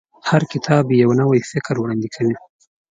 هر کتاب یو نوی فکر وړاندې کوي.